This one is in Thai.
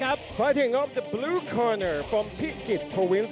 จากพิจิตย์โทวินซ์ของพิจิตย์โทวินซ์